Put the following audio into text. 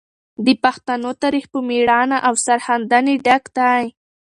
د پښتنو تاریخ په مړانه او سرښندنې ډک دی.